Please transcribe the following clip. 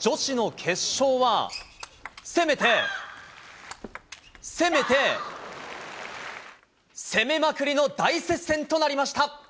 女子の決勝は、攻めて、攻めて、攻めまくりの大接戦となりました。